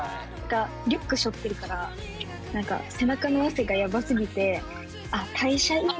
リュックしょってるから何か背中の汗がやばすぎて「あ代謝いいんだね」